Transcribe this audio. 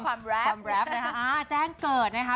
ความแรปความแรปนะคะอ่าแจ้งเกิดนะคะ